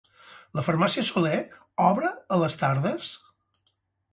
La Farmàcia Soler obre a les tardes?